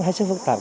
hết sức phức tạp